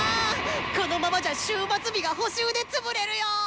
このままじゃ終末日が補習で潰れるよ！